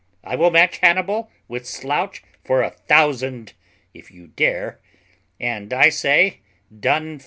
I will match Hannibal with Slouch for a thousand, if you dare; and I say done first."